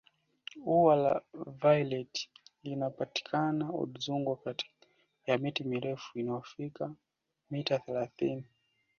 ua la vaileti linapatikana udzungwa katikati ya miti mirefu inayofika mita thelathini